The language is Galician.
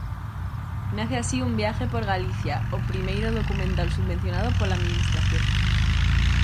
Nace así "Un viaje por Galicia", o primeiro documental subvencionado pola administración.